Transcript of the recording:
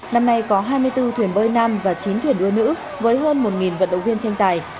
năm nay có hai mươi bốn thuyền bơi nam và chín thuyền đua nữ với hơn một vận động viên tranh tài